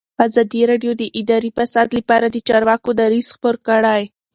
ازادي راډیو د اداري فساد لپاره د چارواکو دریځ خپور کړی.